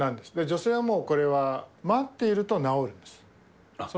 女性はもうこれは、待っていると治るんです。